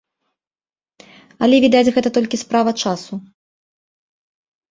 Але, відаць, гэта толькі справа часу.